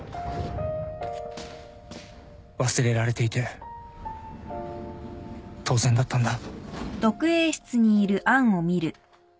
忘れられていて当然だったんだ